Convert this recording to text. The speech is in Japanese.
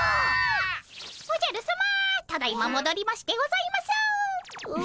おじゃるさまただいまもどりましてございます。